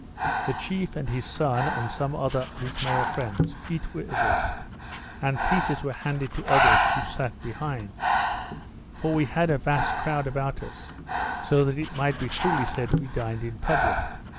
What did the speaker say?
The chief and his son, and some other of his male friends, eat with us, and pieces were handed to others who sat behind: For we had a vast crowd about us; so that it might be truly said we dined in public.